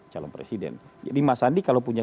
calon presiden jadi mas sandi kalau punya